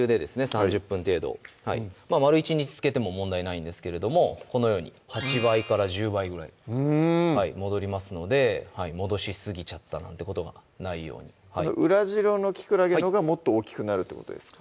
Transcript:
３０分程度丸１日つけても問題ないんですけれどもこのように８倍１０倍ぐらいに戻りますので戻しすぎちゃったなんてことがないように裏白のきくらげのほうがもっと大きくなるってことですか？